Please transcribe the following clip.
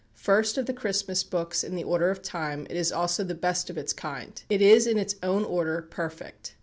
First of the Christmas books in the order of time, it is also the best of its own kind; it is in its own order perfect.